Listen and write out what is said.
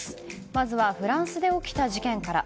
まずはフランスで起きた事件から。